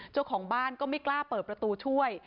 เจ้าของบ้านก็ไม่กล้าเปิดประตูช่วย